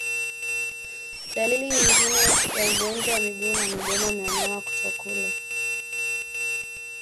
Dalili nyingine ya ugonjwa wa miguu na midomo ni wanyama kutokula